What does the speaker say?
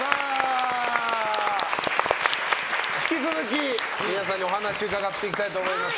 引き続き皆さんにお話伺っていきたいと思います。